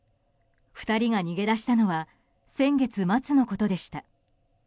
２人が逃げ出したのは先月末のことでした。